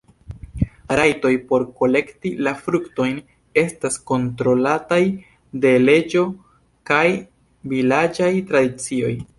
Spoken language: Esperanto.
Rajtoj por kolekti la fruktojn estas kontrolataj de leĝo kaj vilaĝaj tradicioj.